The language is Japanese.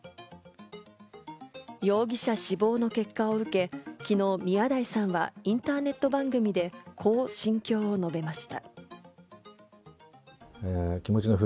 容疑者死亡の結果を受け、昨日、宮台さんはインターネット番組で、こう心境を述べました。